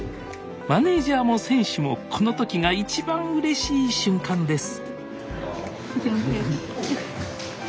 マネージャーも選手もこの時が一番うれしい瞬間です